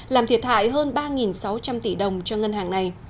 làm thiệt hại hơn ba sáu trăm linh tỷ đồng cho ngân hàng này